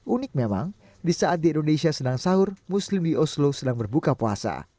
unik memang di saat di indonesia sedang sahur muslim di oslo sedang berbuka puasa